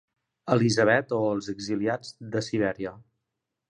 "Elizabeth, o els exiliats de Sibèria".